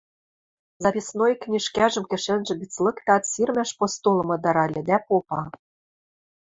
Записной книжкӓжӹм кӹшӓнжӹ гӹц лыктат, сирмӓш постолым ыдыральы дӓ попа: